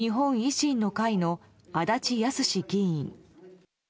日本維新の会の足立康史議員。